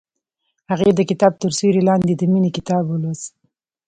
هغې د کتاب تر سیوري لاندې د مینې کتاب ولوست.